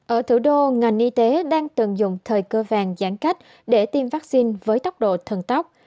ở thủ đô ngành y tế đang tận dụng thời cơ vàng giãn cách để tiêm vaccine với tốc độ thần tóc